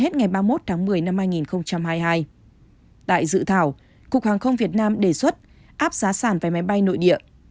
tại dự thảo cục hàng không việt nam đề xuất áp giá sản vé máy bay nội địa